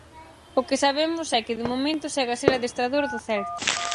O que sabemos é que, de momento, segue a ser adestrador do Celta.